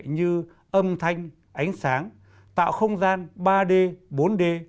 như âm thanh ánh sáng tạo không gian ba d bốn d